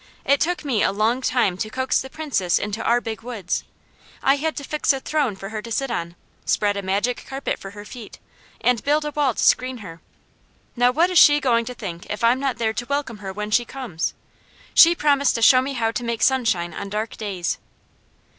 "It took me a long time to coax the Princess into our Big Woods. I had to fix a throne for her to sit on; spread a Magic Carpet for her feet, and build a wall to screen her. Now, what is she going to think if I'm not there to welcome her when she comes? She promised to show me how to make sunshine on dark days."